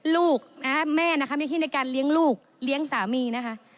ลูกนะแม่นะคะมีที่ในการเลี้ยงลูกเลี้ยงสามีนะคะ